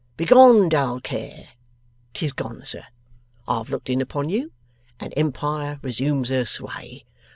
Begone, dull Care! 'Tis gone, sir. I've looked in upon you, and empire resumes her sway.